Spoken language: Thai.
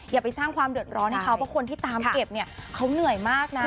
อย่าไปสร้างความเดือดร้อนให้เขาเพราะคนที่ตามเก็บเนี่ยเขาเหนื่อยมากนะ